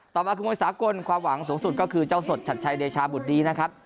ต่อมาคือมวยสากลความหวังสูงสุดก็คือเจ้าสดชัดชัยเดชาบุตรดีนะครับ